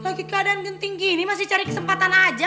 lagi keadaan genting gini masih cari kesempatan aja